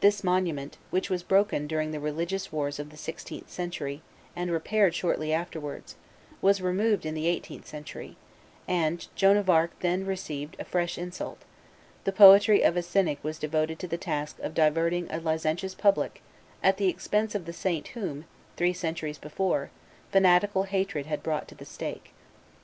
This monument, which was broken during the religious wars of the sixteenth century and repaired shortly afterwards, was removed in the eighteenth century, and, Joan of Arc then received a fresh insult; the poetry of a cynic was devoted to the task of diverting a licentious public at the expense of the saint whom, three centuries before, fanatical hatred had brought to the stake.